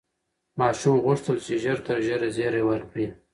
ماشوم غوښتل چې ژر تر ژره زېری ورکړي.